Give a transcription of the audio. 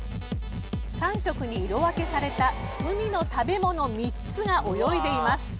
３色に色分けされた海の食べ物３つが泳いでいます。